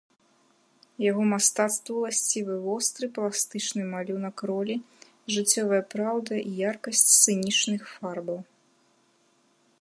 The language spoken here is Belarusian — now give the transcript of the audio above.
Яго мастацтву уласцівы востры пластычны малюнак ролі, жыццёвая праўда і яркасць сцэнічных фарбаў.